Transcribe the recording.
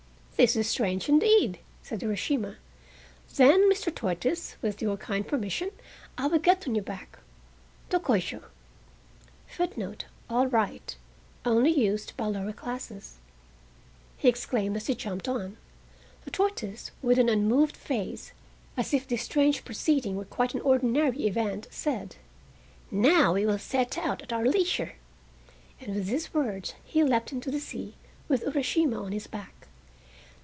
"This is strange indeed!" said Urashima; "then. Mr. Tortoise, with your kind permission I will get on your back. Dokoisho!" he exclaimed as he jumped on. "All right" (only used by lower classes). The tortoise, with an unmoved face, as if this strange proceeding were quite an ordinary event, said: "Now we will set out at our leisure," and with these words he leapt into the sea with Urashima on his back.